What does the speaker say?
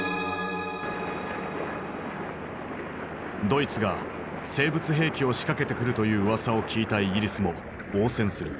ドイツが生物兵器を仕掛けてくるといううわさを聞いたイギリスも応戦する。